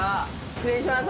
失礼します。